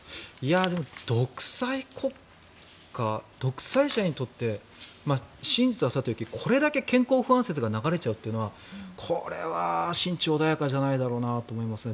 でも、独裁国家独裁者にとって真実はさておきこれだけ健康不安説が流れちゃうというのはこれは心中穏やかじゃないだろうなと思いますね。